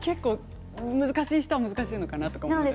難しい人は難しいのかなと思います。